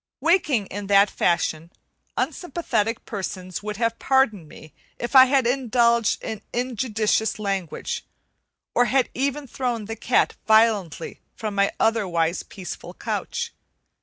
Waking in that fashion, unsympathetic persons would have pardoned me if I had indulged in injudicious language, or had even thrown the cat violently from my otherwise peaceful couch.